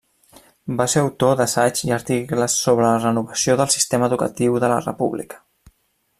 Va ser autor d'assaigs i articles sobre la renovació del sistema educatiu de la República.